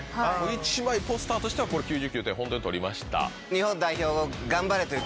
１枚ポスターとしては９９点ホントに取りました。